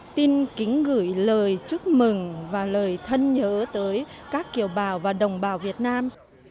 xin kính gửi lời chúc mừng và lời thân nhớ tới các kiều bào và đồng bào việt nam